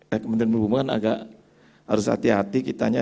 rekomendan perhubungan agak harus hati hati kitanya